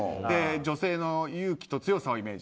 女性の勇気と強さをイメージ。